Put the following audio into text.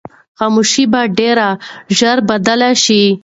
خاموشي به ډېر ژر بدله شي.